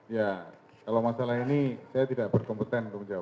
ya kalau masalah ini saya tidak berkompeten untuk menjawab